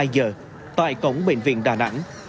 hai mươi hai giờ tại cổng bệnh viện đà nẵng